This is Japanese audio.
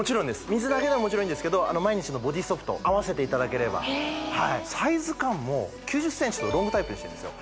水だけでももちろんいいんですけど毎日のボディソープとあわせていただければサイズ感も９０センチとロングタイプにしてるんですよ